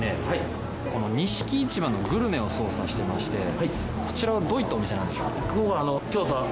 はいこの錦市場のグルメを捜査してましてこちらはどういったお店なんでしょうか？